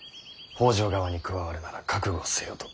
北条側に加わるなら覚悟せよと。